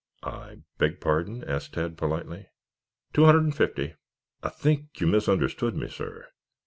"I beg pardon?" asked Tad politely. "Two hundred and fifty." "I think you misunderstood me, sir.